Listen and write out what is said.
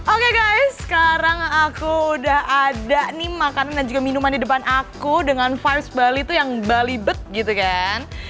oke guys sekarang aku udah ada nih makanan dan minuman di depan aku dengan vibes bali tuh yang bali bek gitu kan